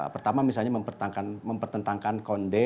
pertama misalnya mempertentangkan konde